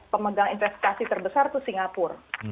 dua ribu delapan belas pemegang investasi terbesar itu singapura